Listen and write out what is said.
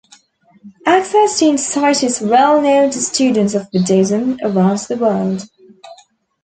Access to Insight is well known to students of Buddhism around the world.